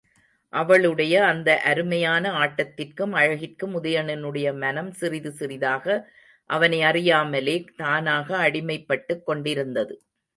அவளுடைய அந்த அருமையான ஆட்டத்திற்கும் அழகிற்கும் உதயணனுடைய மனம் சிறிது சிறிதாக அவனையறியாமலே தானாக அடிமைப்பட்டுக் கொண்டிருந்தது.